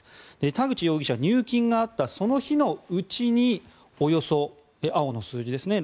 田口容疑者は入金があったその日のうちに青の数字ですね